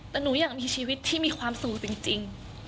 แต่หนูอยากมีชีวิตที่มีความสุขจริง